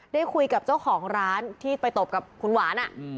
ได้คุยกับเจ้าของร้านที่ไปตบกับคุณหวาน